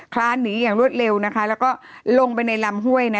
คลานหนีอย่างรวดเร็วนะคะแล้วก็ลงไปในลำห้วยนะ